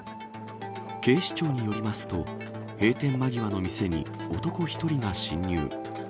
警視庁によりますと、閉店間際の店に男１人が侵入。